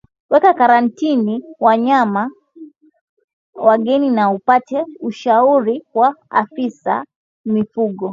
Weka karantini wanyama wageni na upate ushauri wa afisa mifugo